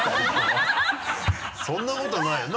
そんなことないよな？